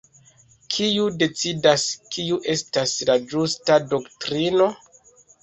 Kiu decidas kiu estas la "ĝusta" doktrino?